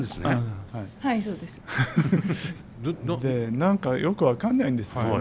何かよく分かんないんですけどね